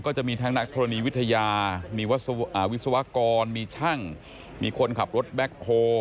จะมีทั้งนักธรณีวิทยามีวิศวกรมีช่างมีคนขับรถแบ็คโฮ